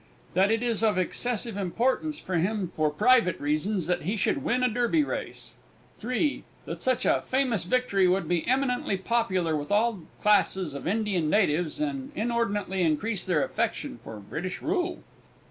That it is of excessive importance to him, for private reasons, that he should win a Derby Race. (3.) That such a famous victory would be eminently popular with all classes of Indian natives, and inordinately increase their affection for British rule.